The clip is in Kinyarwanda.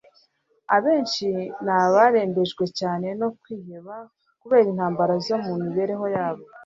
Abenshi ni abarembejwe cyane no kwiheba kubera intambara zo mu mibereho yabo,